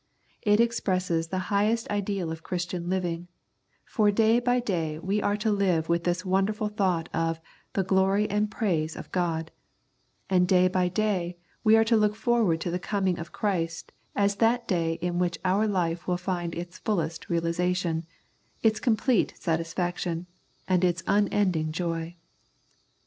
It expresses the highest ideal of Christian living, for day by day we are to live with this wonderful thought of " the glory and praise of God," and day by day we are to look forward to the coming of Christ as that day in which our life will find its fullest realisation, its complete satisfaction, and its unending joy.